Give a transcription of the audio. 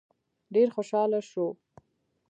ډېر خوشحاله شو.